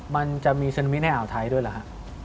มันจะมีซึนามิแน่อ่าวไทยด้วยหรือครับ